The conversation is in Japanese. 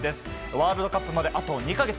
ワールドカップまで、あと２か月。